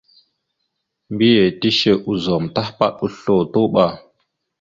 Mbiyez tishe ozum tahəpaɗ oslo, tuɓa.